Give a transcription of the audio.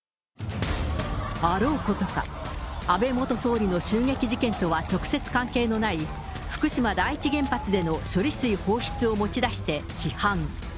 あろうことか、安倍元総理の襲撃事件とは直接関係のない、福島第一原発での処理水放出を持ち出して批判。